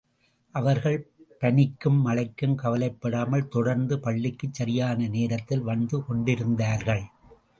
அவர்கள் பனிக்கும் மழைக்கும் கவலைப்படாமல் தொடர்ந்து பள்ளிக்குச் சரியான நேரத்தில் வந்து கொண்டிருந்தார்கள்.